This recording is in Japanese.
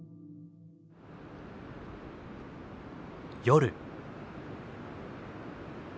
夜。